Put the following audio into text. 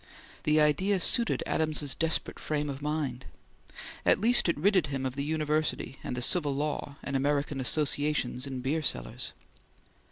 The idea suited Adams's desperate frame of mind. At least it ridded him of the university and the Civil Law and American associations in beer cellars.